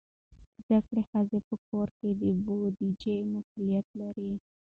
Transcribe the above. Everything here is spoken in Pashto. زده کړه ښځه په کور کې د بودیجې مسئولیت لري.